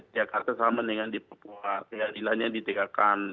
jakarta sama dengan di papua keadilannya ditegakkan